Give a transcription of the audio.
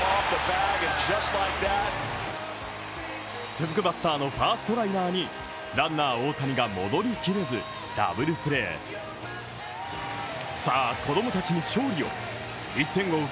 続くバッターのファーストライナーにランナー・大谷が戻りきれずダブルプレーさあ子供たちに勝利を１点を追う